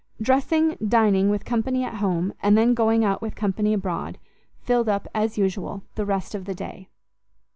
Dressing, dining with company at home, and then going out with company abroad, filled up, as usual, the rest of the day.